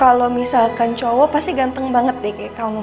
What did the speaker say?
kalau misalkan cowok pasti ganteng banget deh kayak kamu